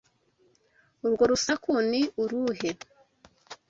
Urwo rusaku ni uruhe?